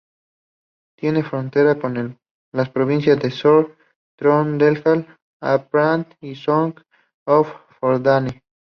Tiene fronteras con las provincias de Sør-Trøndelag, Oppland y Sogn og Fjordane.